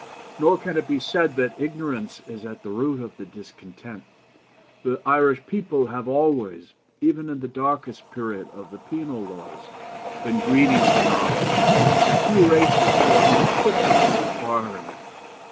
"Nor can it be said that ignorance is at the root of the discontent. The Irish people have always, even in the darkest period of the penal laws, been greedy for knowledge, and few races show more quickness in acquiring it.